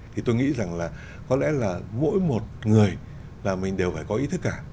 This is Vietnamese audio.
thì tôi nghĩ rằng là có lẽ là mỗi một người là mình đều phải có ý thức cả